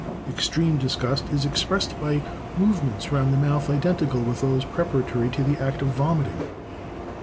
Extreme disgust is expressed by movements round the month identical with those preparatory to the act of vomiting.